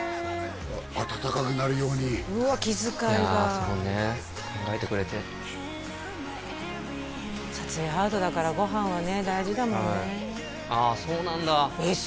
温かくなるようにうわ気遣いがいやすごいね考えてくれて撮影ハードだからご飯はね大事だもんねああそうなんだえっ